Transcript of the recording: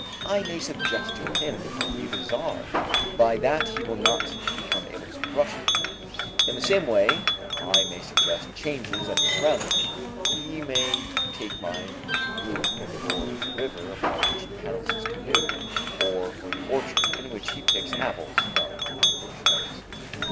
I may suggest to him to be the Czar, by that he will not become able to speak Russian. In the same way I may suggest changes of the surroundings; he may take my room for the river upon which he paddles his canoe, or for the orchard in which he picks apples from my bookshelves.